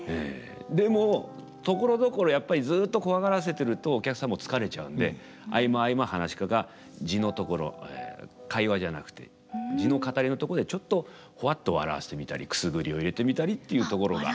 でもところどころやっぱりずっとコワがらせてるとお客さんも疲れちゃうんで合間合間噺家が地のところ会話じゃくて地の語りのとこでちょっとほわっと笑わせてみたりくすぐりを入れてみたりっていうところが。